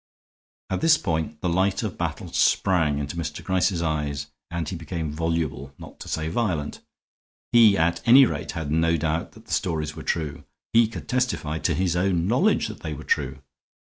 At this point the light of battle sprang into Mr. Gryce's eyes and he became voluble, not to say violent. He, at any rate, had no doubt that the stories were true; he could testify, to his own knowledge, that they were true.